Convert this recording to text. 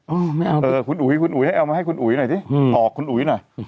เออไม่เอาเออคุณอุ๋ยคุณอุ๋ยให้เอามาให้คุณอุ๋ยหน่อยสิออกคุณอุ๋ยหน่อย